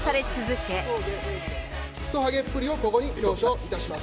くそはげっぷりをここに表彰いたします。